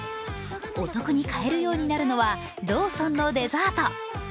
お得に買えるようになるのはローソンのデザート。